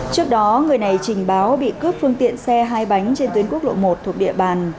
trước đó người này trình báo bị cướp phương tiện xe hai bánh trên tuyến quốc lộ một thuộc địa bàn